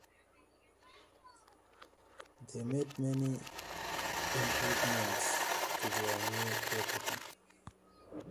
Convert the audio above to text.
They made many improvements to their new property.